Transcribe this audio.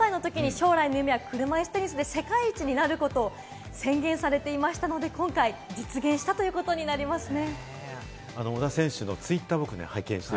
小田選手は１０歳のときに、実は将来の夢は車いすテニスで世界一になることと宣言されていたので今回、実現されたということになりますね。